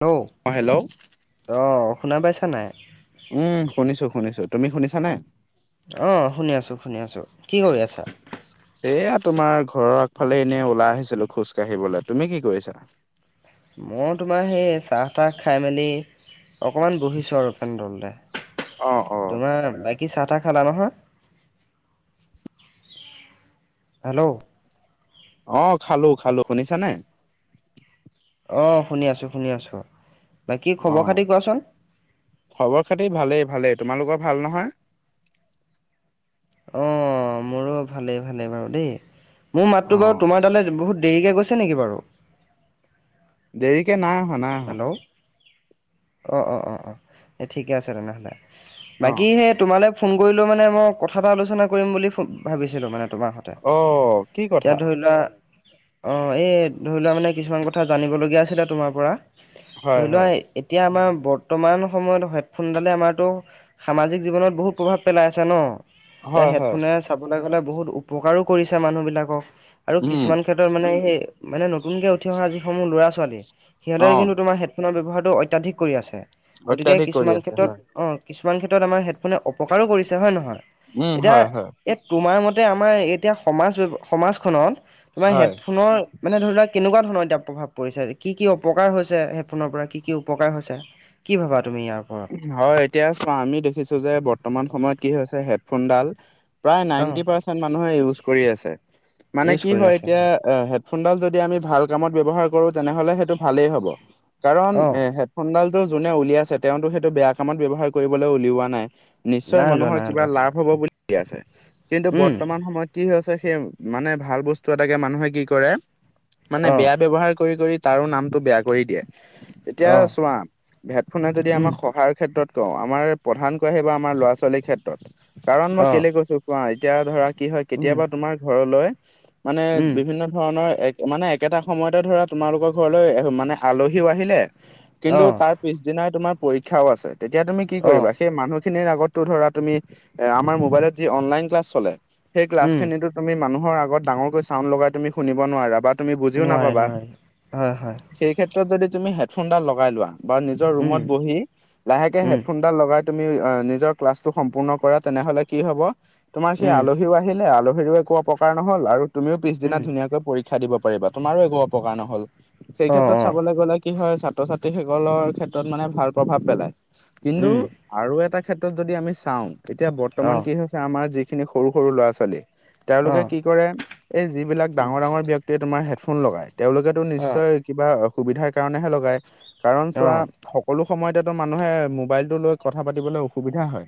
ট অ হেল্ল'। অ, শুনা পাইছা নাই? উম, শুনিছো শুনিছো, তুমি শুনিছা নাই? অ, শুনি আছো শুনি আছো। কি কৰি আছা? এয়া তোমাৰ ঘৰৰ আগফালে এনেই ওলাই আহিছিলো খোজ কাঢ়িবলৈ। তুমি কি কৰিছা? মইও তোমাৰ সেই চাহ - তাহ খাই মেলি অকমান বহিছোঁ আৰু ফেন তলতে, অ অ তোমাৰ বাকী চাহ - তাহ খালা নহয়? হেল্ল'? অ, খালোঁ খালোঁ। শুনিছা নে? অ' শুনি আছো শুনি আছো। বাকি অ খবৰ - খাতি কোৱাচোন? খবৰ খাতি ভালেই, ভালেই, তোমালোকৰ ভাল নহয়? অ, মোৰো ভালেই ভালেই বাৰু দেই। মোৰ অ মাতটো বাৰু তোমাৰ তালে বহুত দেৰিকে গৈছ টে নেকি বাৰু? দেৰিকে নাই অহা নাই অহা। অ অ অ অ, এ ঠিকে আছে তেনেহ'লে, অ বাকী সেই তোমালে ফোন কৰিলোঁ মানে মই কথা এটা আলোচনা কৰিম বুলি ফো ভাবিছিলোঁ মানে তোমাৰ স তা। অ কি কথা ইয়াত ধৰি লোৱা অ, এই ধৰি লোৱা মানে কিছুমান কথা জানিবলগীয়া আছিলে তোমাৰ পৰা? হয় ধৰি লোৱা হয় এতিয়া আমাৰ বৰ্তমান সময়ত হেডফোনডালে আমাৰতো সামাজিক জীৱনত বহুত প্ৰভাৱ পেলাই আছে ন? তে হয় হয় হেডফোনে চাবলৈ গ'লে বহুত উপকাৰো কৰিছে মানুহবিলাকক আৰু উম কিছুমান ক্ষেত্ৰত মানে সেই মানে নতুনকৈ উঠি অহা যিসমূহ ল'ৰা - ছোৱালী অ লয় কিন্তু তোমাৰ হেডফোনৰ ব্যৱহাৰটো অত্যাধিক কৰি আছে। গতিকে অত্যাধিক কৰি কিছুমান আছে ক্ষেত্ৰত হয় অ, কিছুমান ক্ষেত্ৰত আমাৰ হেডফোনে অপকাৰো কৰিছে হয় নহয়? উম এতিয়া হয় হয় এই তোমাৰ মতে আমাৰ এতিয়া সমাজ ব্যৱ সমাজখনত, তোমাৰ হয় হেডফোনৰ মানে ধৰি লোৱা কেনেকুৱা ধৰণৰ এতিয়া প্ৰভাৱ পৰিছে? কি কি অপ উপকাৰ হৈছে হেডফোনৰ পৰা কি কি উপকাৰ হৈছে, কি ভাবা তুমি ইয়াৰ ওপৰত? হয়, এতিয়া চোৱা আমি দেখিছো যে বৰ্তমান সময়ত কি হৈছে হেডফোনডাল প্ৰায় নাইনটি অ পাৰ্চেন্ট মানুহে ইউজ কৰি আছে মানে ইউজ কি কৰি হয় আছে এতিয়া আ হেড ফোনডাল যদি আমি ভাল কামত ব্যৱহাৰ কৰোঁ তেনেহ'লে সেইটো ভালেই হ'ব কাৰণ অ এ হেড ফোনডালটো যোনে উলিয়াইছে, তেওঁটো সেইটো বেয়া কামত ব্যৱহাৰ কৰিবলৈ উলিওৱা নাই! নিশ্চয় নাই লোৱা মানুহৰ নাই কিবা লোৱা হয় লাভ হ'ব বুলি উলিয়াইছে কিন্তু উম বৰ্তমান সময়ত কি হৈছে সেই মানে ভাল বস্তু এটাকে মানুহে কি কৰে মানে অ বেয়া ব্যৱহাৰ কৰি - কৰি তাৰো নামটো বেয়া কৰি দিয়ে এতিয়া অ চোৱা, হেডফোনে যদি উম আমাৰ স সহায়ৰ ক্ষেত্ৰত কওঁ, আমাৰ প্ৰধান কোৱা আহিব আমাৰ ল'ৰা - ছোৱালীৰ ক্ষেত্ৰত কাৰণ মই অ কেলে কৈছো কোৱা এতিয়া ধৰা কি হয় উম কেতিয়াবা তোমাৰ ঘৰলৈ মানে উম বিভিন্ন ধৰণৰ এক মানে একেটা সময়তে ধৰা তোমালোকৰ ঘৰলৈ মানে আলহীও আহিলে অ কিন্তু তাত পিছ দিনাই তোমাৰ পৰীক্ষাও আছে তেতিয়া তুমি কি অ কৰিবা? সেই মানুহখিনিৰ আগতো ধৰা তুমি এ আমাৰ মোবাইলত যি অনলাইন ক্লাছ চলে সেই উম ক্লাছখিনিতো তুমি মানুহৰ আগত ডাঙৰকৈ চাউণ্ড লগাই তুমি শুনিব নোৱাৰা, বাট তুমি বুজিও নোৱাৰে নাপাবা নোৱাৰে হয় হয় সেই ক্ষেত্ৰত যদি তুমি হেডফোনডাল লগাই লোৱা বা নিজৰ উম ৰুমত বহি লাহেকে উম হেডফোনডাল লগাই তুমি নিজৰ এ ক্লাছটো সম্পূৰ্ণ কৰা তেনেহলে কি হব তোমাৰ সেই উম আলহীও আহিলে, আলহীৰো একো অপকাৰ নহল আৰু তুমিও পিছদিনা উম ধুনাকৈ পৰী ক্ষা দিব পাৰিবা, তোমাৰো একো অপকাৰ নহল সেই অ ক্ষেত্ৰত অ চাবলৈ গলে কি হয় ছাত্ৰ - ছাত্ৰীসকলৰ ক্ষেত্ৰত মানে ভাল প্ৰভাৱ পেলায় কিন্তু উম আৰু এটা ক্ষেত্ৰত যদি আমি চাওঁ এতিয়া অ বৰ্তমান কি হৈছে আমাৰ যিখিনি সৰু - সৰু ল'ৰা - ছোৱালী অ তেওঁলোকে কি কৰে? এই যিবিলাক উম ডাঙৰ - ডাঙৰ ব্যক্তিয়ে তোমাৰ হেডফোন লগাই, তেওঁলোকে তোৰ অ নিশ্চয় কিবা অসুবিধাৰ কাৰণেহে লগাই। কাৰণ অ চোৱা সকলো সময়তেতো মানুহে মোবাইলটো লৈ কথা পাতিবলৈ অসুবিধা হয়।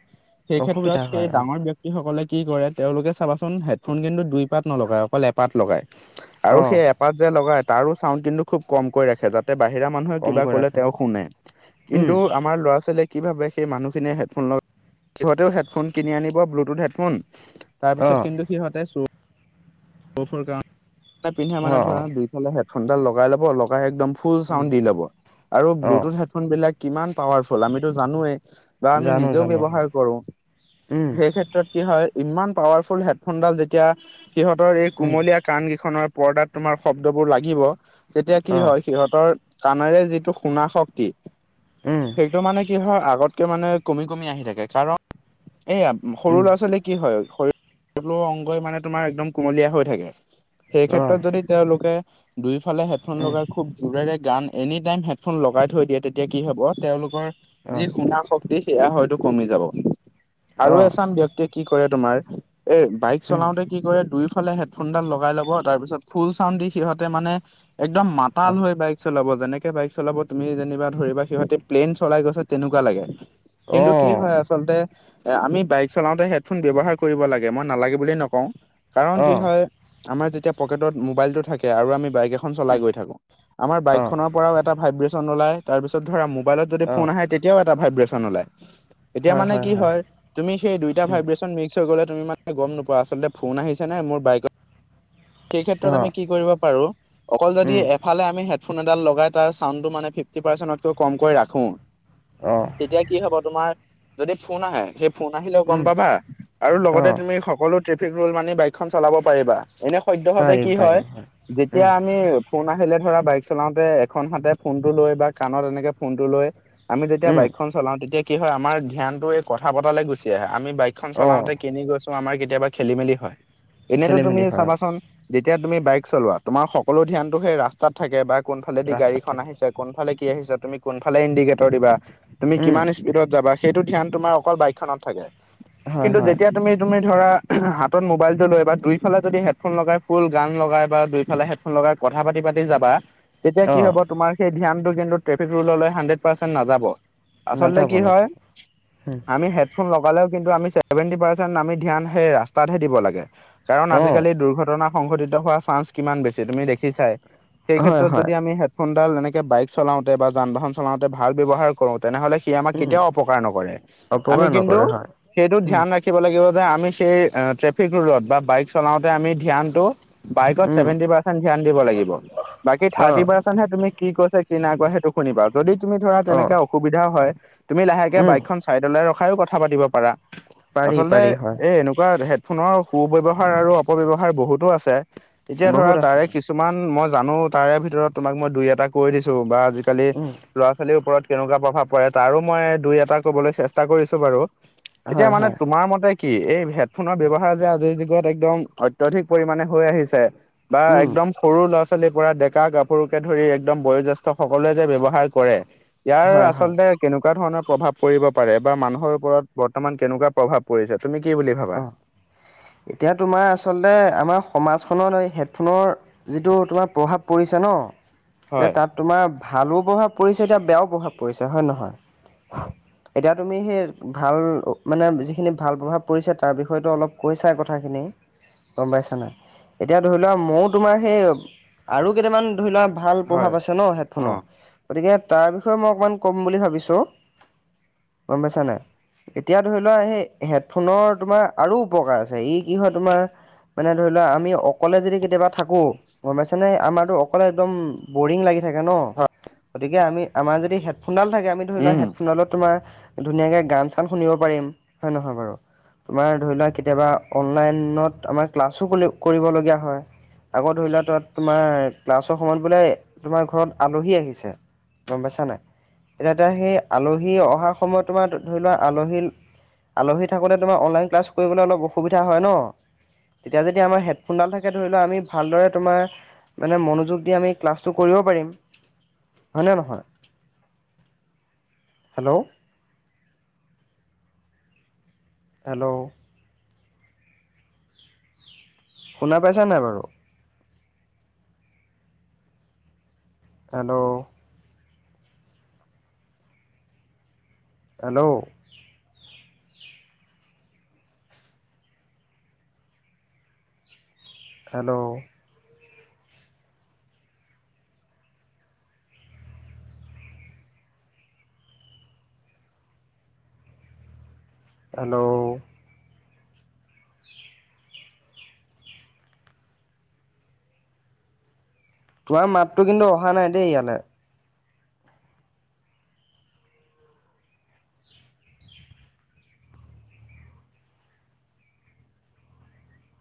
সেই ক্ষেত্ৰত অসুবিধা এই হয় অ ডাঙৰ ব্যক্তি সকলে কি কৰে তেওঁলোকে চাবাচোন, হেডফোন কিন্তু দুই পাত নলগায় অকল এপাত লগায়। আৰু অ সেই এপাত যে লগাই তাৰো চাউণ্ড কিন্তু খুব কমকৈ ৰাখে তাত। বাহিৰা মানুহে কিবা কমকৈ কলে ৰাখে তেওঁ শুনে। উম কিন্তু আমাৰ আৰু ল'ৰা-ছোৱালীয়ে কি ভাবে সেই মানুখিনিয়ে হেডফোন ল সিহঁতেও হেডফোন কিনি আনিব ব্লুটুথ হেডফোন, অ তাৰপিছত কিন্তু সিহঁতে [unintelligible] পিন্ধা মানে অ অ ধৰা দুটা হেফোনাল লগাই ল'ব, লগাই একম ফুল উম চাউন দিব আৰু অঁ বুল্লুটুথ হেডফোন হেডফোন বিলাক কিমান পাৱাৰফুল আমিতো জানোৱেই। বা আমি জানো নিজেও জানো হয় ব্যৱহাৰ কৰো। উম সেই ক্ষেত্ৰত কি হয়, ইমান পাৱাৰফুল হেডফোনডাল যেতিয়া সিহঁতৰ এই উম কুমলীয়া কাণ কেইখনৰ পৰ্দাত তুমাৰ শব্দ বোৰ লাগিব, তেতিয়া কি অঁ হয় সিহঁতৰ কাণেৰে যিটো শুনা শক্তি উম সেইটো মানে কি হয় আগতকে মানে কমি কমি আহি থাকে। কাৰণ এয়া সৰু উম ল'ৰা ছোৱালী কি হয় শৰীৰ ৰ অংগই মানে তোমাৰ একদম কুমলীয়া হৈ থাকে, সেই অঁ ক্ষেত্ৰত যদি তেওঁলোকে দুইফালে হেডফোন উম লগাই খুব জোৰেৰে গান, এনি টাইম হেডফোন লগাই থৈ দিয়ে তে তেতিয়া কি হ'ব তেওঁলোকৰ যি অঁ শুনা শক্তি সেয়া হয়তো কমি যাব। আৰু অঁ এচাম ব্যক্তিয়ে কি কৰে তোমাৰ, এ বাইক উম চলাওতে কি কৰে দুয়োফালেহে ফোনডাল লগাই ল'ব তাৰ পিছত ফুল চাউন দি সিহঁতে মানে একদম মাতাল অঁ হৈ বা চলাব যেনেকে বাইক চলাব তুমি যেনিবা ধৰিবা সিহঁতে প্লেইন চলাই গৈছে তেনেকুৱা লাগে। অঁ কিন্তু কি হয় আ আচলতে এ আমি বাইক চলাওতে হেডফোন ব্যৱহাৰ কৰিব লাগে মই নালাগে বুলি নকওঁ। কাৰণ কি অঁ হয় আমাৰ যেতিয়া পকেটত মোবাইলটো থাকে আৰু আমি বাইক খন চলাই উম গৈ থাকো, আমাৰ বাইক অঁ খনৰ পৰাও এটা ভাইব্ৰেচন ওলায় তাৰপিছত ধৰা মোবাইলত যদি অঁ ফোন আহে তেতিয়াও এটা ভাইব্ৰেচন ওলায়। এতিয়া মানে কি হয় তুমি সেই দুইটা উম ভাইব্ৰেচন মিক্স গ'লে তুমি মান গম নপোৱা আচলতে ফোন আহিছে নে মোৰ বাইকত সেই ক্ষেত্ৰত অঁ আমি কি কৰিব পাৰো অকল যদি উম এফালে আমি হেডফোন এডাল লগাই তাৰ চাউণ্ডটো মানে ফিফটি পাৰ্চেণ্টতকৈ কমকে কৰি ৰাখোঁ [inaudible] অ। তেতিয়া কি হ'ব তোমাৰ যদি ফোন আহে সেই ফোন আহিলেও গম উম পাবা আৰু লগতে অঁ তুমি সকলো ট্ৰেফিক ৰুল মানি বাইকখন চলাব পাৰিবা। এনে সদ্যহতে পাৰিম কি হয় পাৰিম যেতিয়া উম আমি ফোন আহিলে ধৰা বাইক চলাওতে এখন হাতে ফোনটো লৈ বা কাণত এনেকে ফোনটো লৈ আমি যেতিয়া উম বাইকখন চলাও তেতিয়া কি হয় আমাৰ ধ্যানটো এই কথা পতালে গুচি আহে আমি বাইকখন অঁ চলাওঁতে কেনি গৈছো আমাৰ কেতিয়াবা খেলি-মেলি হয়। এনেইতো খেলি তুমি মেলি হয় অঁ চাবাচোন যেতিয়া তুমি বাইক চলোৱা তোমাৰ সকলো ধ্যানটো সেই ৰাস্তাত থাকে বা কোনফালেদি ৰাস্তাত গাড়ীখন থাকে আহিছে কোনফালে কি আহিছে, তুমি কোনফালে ইণ্ডিকেটৰ দিবা, তুমি উম কিমান স্পীডত যাবা সেইটো ধ্যান তোমাৰ অকল বাইকখনত থাকে। হয় কিন্তু হয় যেতিয়া তুমি তুমি ধৰা হাতত মোবাইলটো লৈ বা দুইফালে যদি হেডফোন লগাই ফুল গান লগাই বা দুইফালে হেডফোন লগাই কথা পাতি পাতি যাবা, তেতিয়া কি অঁ হ'ব তোমাৰ সেই ধ্যানটো কিন্তু ট্ৰফিক ৰুললৈ হান্দ্ৰেত পৰ্চেণ্ট নাযাব। আচলতে নাযাব কি হয় নাযাব উম আমি হেড ফোন লগালেও কিন্তু আমি সেভেণ্টি পাৰ্চেন্ট আমি ধ্যান সেই ৰাস্তাতহে দিব লাগে। কাৰণ অঁ আজিকালি দুৰ্ঘটনা সংঘটিত হোৱাৰ চান্স কিমান বেছি তুমি দেখিছাই? সেই হয় ক্ষেত্ৰত হয় যদি আমি হেডফোনডাল এনেকে বাইক চলাওঁতে বা যান - বাহন চলাওঁতে ভাল ব্যৱহাৰ কৰোঁ তেনেহলে সি আমাক উম কেতিয়াও অপকাৰ নকৰে, আমি অপকাৰ কিন্তু নকৰে হয় সেইটো উম ধ্যান ৰা খিব লাগিব যে আমি সেই আ ট্ৰেফিক ৰুলত বা বাইক চলাওঁতে আমি ধ্যানটো বাইকত উম চেভেণ্টি পাৰ্চেন্ট ধ্যান দিব লাগিব, বাকী থাৰ্তী অঁ পাৰ্চ চতহে তুমি কি কৈছা কি নাই কোৱা সেইটো শুনিবা? যদি তুমি ধৰা অঁ তেনেকে অসুবিধা হয় তুমি লাহেকে উম বাইকখন চাইডলৈ ৰখাই কথা পাতিব পাৰা, পাৰি আচলতে পাৰি হয় এই এনেকুৱা সে ফোনৰ সু-ব্যৱহাৰ আৰু অপব্যৱহাৰ বহুতো আছে এতিয়া ধৰা বহুত আছে তাৰে কিছু কিছুমান মই জানো তাৰে ভিতৰত তোমাক মই দুই - এটা কৈ দিছো বা আজিকালি উম ল'ৰা - ছোৱালীৰ ওপৰত কেনেকুৱা প্ৰভাৱ পৰে তাৰো মই দুই এটা কবলৈ চেষ্টা কৰিছো বাৰু। এতিয়া হয় মানে হয় তোমাৰ মতে কি? এই হেডফোনৰ ব্যৱহাৰ যে আজিৰ যুগত একদম অত্যধিক পৰিমাণে হৈ আহিছে বা উম একদম সৰু লৰা ছোৱালীৰ পৰা ডেকা গাভৰোকে ধৰি একদম বয়োজ্যেষ্ঠ সকলোৱে যে ব্যৱহাৰ কৰে ইয়াৰ হয় হয় আচলতে কেনেকুৱা ধৰণৰ প্ৰভাৱ পৰিব পাৰে বা মানুহৰ ওপৰত বৰ্তমান কেনেকুৱা প্ৰভাৱ পৰিছে তুমি কি বুলি ভাবা? অ এতিয়া তোমাৰ আচলতে আমাৰ সমাজখনৰ হেডফোনৰ যিটো তোমাৰ প্ৰভাৱ পৰিছে ন এতিয়া হয় তাত তোমাৰ ভালো প্ৰভাৱ পৰিছে এতিয়া বেয়াও প্ৰভাৱ পৰিছে হয় নে নহয়? এতিয়া তুমি সেই ভাল মানে যিখিনি ভাল প্ৰভাৱ পৰিছে তাৰ বিষয়টো অলপ কৈছাই কথাখিনি। গম পাইছে নে নাই এতিয়া ধৰি লোৱা মইও তোমাৰ সেই আৰু কেইটামান ধৰি লোৱা ভাল হয় প্ৰভাৱ আছে ন অ হেডফোনৰ গতিকে তাৰ বিষয়ে মই অকণমান ক'ম বুলি ভাবিছোঁ। গম পাইছানে? এতিয়া ধৰি লোৱা সেই হেড ফোনৰ তোমাৰ আৰু উপকাৰ আছে, ই কি হয় তোমাৰ মানে ধৰি লোৱা আমি অকলে যদি কেতিয়াবা থাকো গম পাইছ নে? আমাৰটো অকলে একদম বৰিং লাগি থাকে ন? গতিকে আমি আমাৰ যদি হেডফোনডাল থাকে আমি ধৰি লোৱা উম হেডফোনত তোমাৰ ধুনীয়াকে গান - চান শুনিব পাৰিম হয় নে নহয় বাৰু? তোমাৰ ধৰি লোৱা কেতিয়াবা অনলাইনত আমাৰ ক্লাছো কলি কৰিবলগীয়া হয়। আগত ধৰি লোৱা তত তোমাৰ ক্লাছৰ সময়ত বোলে তোমাৰ ঘৰত আলহী আহিছে গম পাইছা নাই? এতিয়া এতিয়া সেই আলহী অহা সময়ত তোমাৰ ধৰি লোৱা আলহী আলহী থাকোতে তোমাৰ অনলাইন ক্লাছ কৰিবলৈ অলপ অসুবিধা হয় ন? তেতিয়া যদি আমাৰ হেডফোনডাল থাকে ধৰি লোৱা আমি ভালদৰে তোমাৰ মানে মনোযোগ দি আমি ক্লাছটো কৰিব পাৰিম, হয় নে নহয়? হেল্ল'? হেল্ল'? শুনা পাইছা নাই বাৰু? হেল্ল'? হেল্ল'? হেল্ল'? হেল্ল'? তোমাৰ মাততো কিন্তু অহা নাই দেই ইয়ালে।